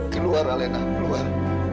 keluar alenda keluar